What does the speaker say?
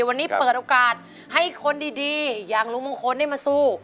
วันนี้เปิดโอกาสให้คนดีอย่างลุงมงคลได้มาสู้